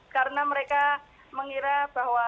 karena mereka mengira bahwa